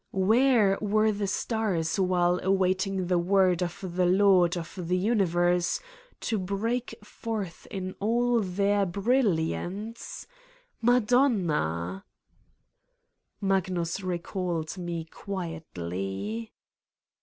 Where were the stars while await ing the word of the Lord of the universe to break forth in all their brilliance I Madonna 1 Magnus recalled me quietly.